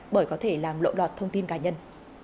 bởi có thể làm lộ lọt thông tin cá nhân